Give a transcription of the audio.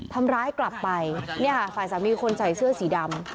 ทำร้ายกลับไปเนี่ยค่ะฝ่ายสามีคนใส่เสื้อสีดำ